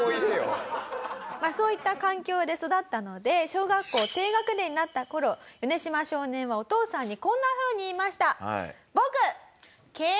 まあそういった環境で育ったので小学校低学年になった頃ヨネシマ少年はお父さんにこんなふうに言いました。